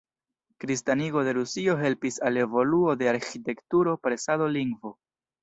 Kristanigo de Rusio helpis al evoluo de arĥitekturo, presado, lingvo.